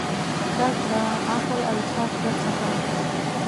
درک د عقل او احساس ګډ سفر دی.